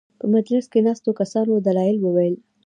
په مجلس کې ناستو کسانو دلایل وویل.